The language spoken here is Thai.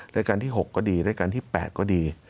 รายการที่๖ก็ดีรายการที่๘ก็ดี